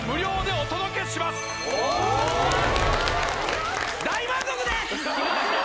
おっ大満足です！